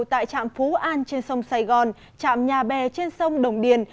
tại trạm phú an trên sông sài gòn trạm nhà bè trên sông đồng điền